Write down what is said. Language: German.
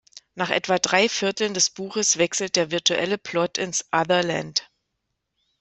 Nach etwa drei Vierteln des Buches wechselt der virtuelle Plot ins „Otherland“.